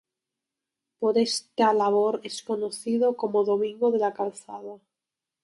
Por esta labor es conocido como "Domingo de la calzada".